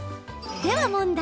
では問題。